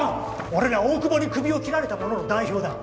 俺ら大久保に首を切られた者の代表だ。